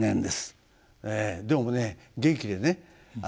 でもね元気でね。